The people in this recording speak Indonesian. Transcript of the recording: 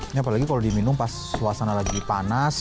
ini apalagi kalau diminum pas suasana lagi panas